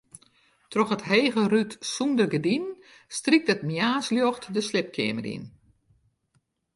Troch it hege rút sûnder gerdinen strykt it moarnsljocht de sliepkeamer yn.